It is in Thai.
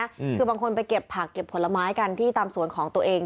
คือบางคนไปเก็บผักเก็บผลไม้กันที่ตามสวนของตัวเอง